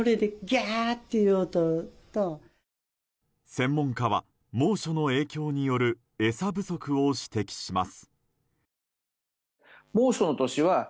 専門家は猛暑の影響による餌不足を指摘します。